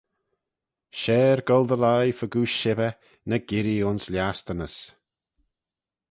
Share goll dy lhie fegooish shibber na girree ayns lhiastynys